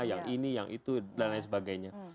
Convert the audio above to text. yang ini yang itu dan lain sebagainya